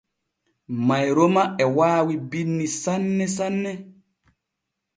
Mayroma e waawi binni sanne sanne.